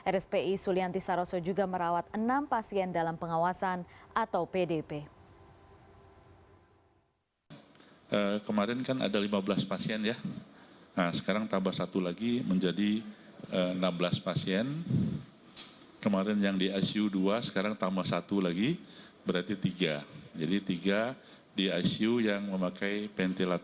rspi sulianti saroso juga merawat enam pasien dalam pengawasan atau pdp